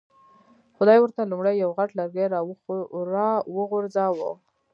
خدای ورته لومړی یو غټ لرګی را وغورځاوه.